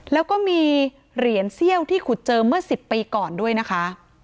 แล้วก็มีเหรียญเซี่ยวที่ขุดเจอเมื่อ๑๐ปีก่อนด้วยนะคะ